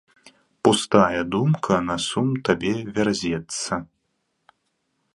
Пустая думка на сум табе вярзецца.